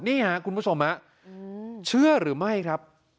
นี่ค่ะคุณผู้ชมเชื่อหรือไม่ครับ